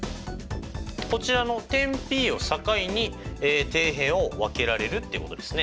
こちらの点Ｐを境に底辺を分けられるっていうことですね。